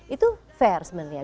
itu fair sebenarnya